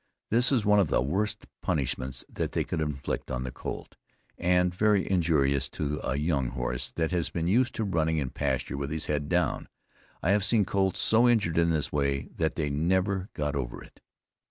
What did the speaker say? This is one of the worst punishments that they could inflict on the colt, and very injurious to a young horse that has been used to running in pasture with his head down. I have seen colts so injured in this way that they never got over it.